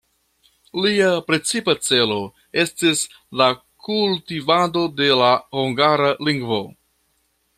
Lia precipa celo estis la kultivado de la hungara lingvo.